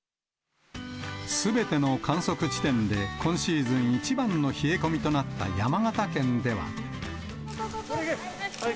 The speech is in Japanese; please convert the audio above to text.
すべての観測地点で、今シーズン一番の冷え込みとなった山形県では。